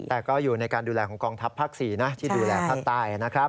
แต่ก็อยู่ในการดูแลของกองทัพภาค๔นะที่ดูแลภาคใต้นะครับ